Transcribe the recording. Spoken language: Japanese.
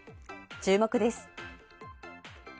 注目です。